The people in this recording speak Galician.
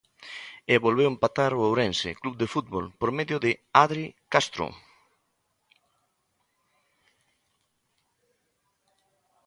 E volveu empatar o Ourense Club de Fútbol por medio de Adri Castro.